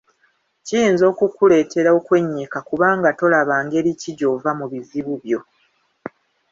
Kiyinza okukuleetera okwennyika kubanga tolaba ngeri ki gy'ova mu bizibu byo.